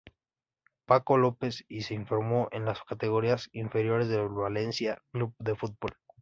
Paco López y se formó en las categorías inferiores del Valencia Club de Fútbol.